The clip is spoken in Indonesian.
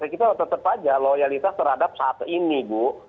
kita tetap saja loyalitas terhadap saat ini bu